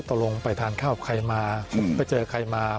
ตกลงไปทานข้าวใครมาไปเจอใครมา